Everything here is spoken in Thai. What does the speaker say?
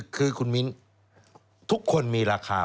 คือคุณมิ้นทุกคนมีราคา